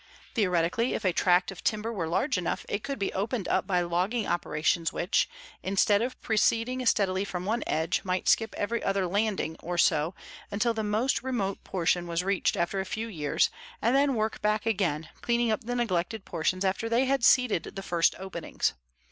Theoretically if a tract of timber were large enough, it could be opened up by logging operations which, instead of proceeding steadily from one edge, might skip every other landing or so until the most remote portion was reached after a few years, and then work back again, cleaning up the neglected portions after they had seeded the first openings.